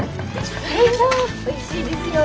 おいしいですよ。